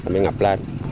mình ngập lên